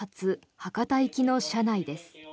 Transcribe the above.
博多行きの車内です。